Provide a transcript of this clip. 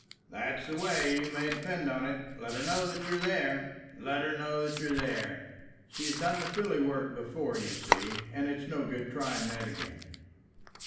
"That's the way, you may depend on it. Let her know that you're there. Let her know that you're there. She's done the filly work before, you see; and it's no good trying that again."